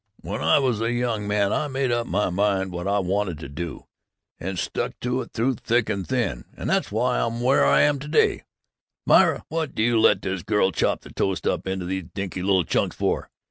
When I was a young man I made up my mind what I wanted to do, and stuck to it through thick and thin, and that's why I'm where I am to day, and Myra! What do you let the girl chop the toast up into these dinky little chunks for?